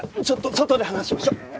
ちょっと外で話しましょう。